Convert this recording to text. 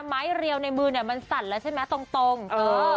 ไม้เรียวในมือเนี่ยมันสั่นแล้วใช่ไหมตรงตรงเออ